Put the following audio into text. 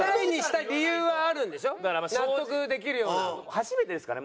初めてですかね？